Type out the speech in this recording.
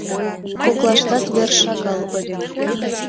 Коклаштат вер шагал ыле.